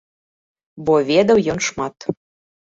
Бо ведаў ён шмат.